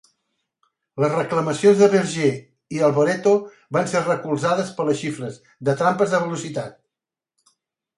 Les reclamacions de Berger i Alboreto van ser recolzades per les xifres de trampes de velocitat.